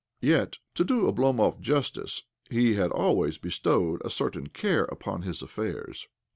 Yet, to do Oblomov justice, he had always bestowed a certain care upon his affairs.